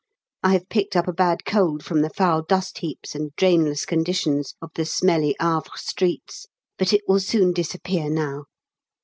I have picked up a bad cold from the foul dust heaps and drainless condition of the smelly Havre streets, but it will soon disappear now.